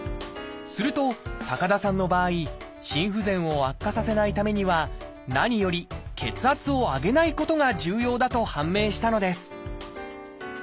すると高田さんの場合心不全を悪化させないためには何より血圧を上げないことが重要だと判明したのです